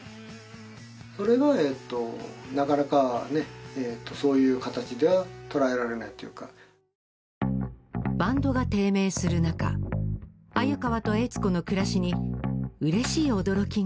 それがえっとなかなかねっそういう形ではとらえられないというかバンドが低迷する中鮎川と悦子の暮らしに嬉しい驚きが